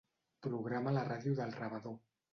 Programa la ràdio del rebedor.